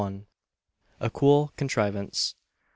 A COOL CONTRIVANCE.